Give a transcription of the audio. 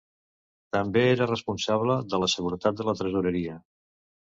També era responsable de la seguretat de la tresoreria.